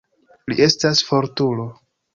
Li estas fortulo.